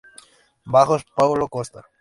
Bajos: Paolo Costa.